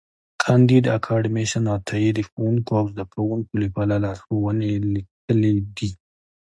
کانديد اکاډميسن عطایي د ښوونکو او زدهکوونکو لپاره لارښوونې لیکلې دي.